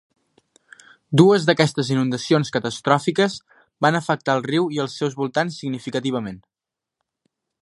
Dues d'aquestes inundacions catastròfiques van afectar el riu i els seus voltants significativament.